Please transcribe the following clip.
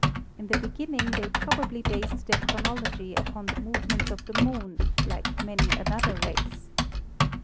In the beginning they probably based their chronology upon the movements of the Moon, like many another race.